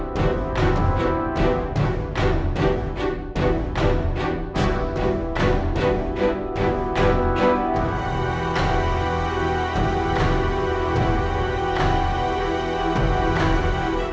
tidak dia menangis